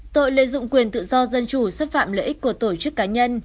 tội lợi dụng quyền tự do dân chủ xâm phạm lợi ích của tổ chức cá nhân